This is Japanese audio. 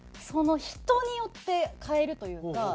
人によって変えるというか。